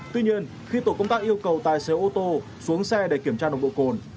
tuy nhiên khi tổ công tác yêu cầu tài xế ô tô xuống xe để kiểm tra nồng độ cồn